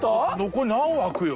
残り何枠よ？